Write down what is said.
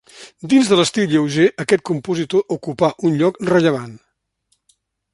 Dins de l'estil lleuger aquest compositor ocupà un lloc rellevant.